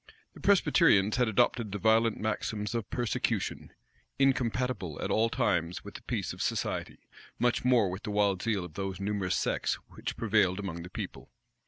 The Presbyterians had adopted the violent maxims of persecution; incompatible at all times with the peace of society, much more with the wild zeal of those numerous sects which prevailed among the people.